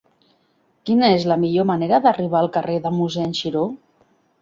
Quina és la millor manera d'arribar al carrer de Mossèn Xiró?